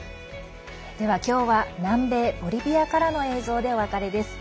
今日は南米ボリビアからの映像でお別れです。